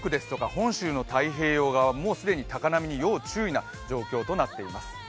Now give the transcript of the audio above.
本州の太平洋側、もう既に高波に要注意な状況となっています。